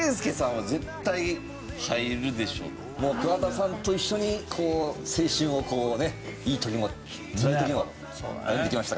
桑田さんと一緒に青春をこうねいい時もつらい時も歩いてきましたから。